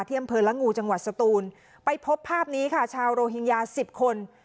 อำเภอละงูจังหวัดสตูนไปพบภาพนี้ค่ะชาวโรฮิงญาสิบคน